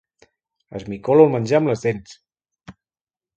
Esmicolo el menjar amb les dents.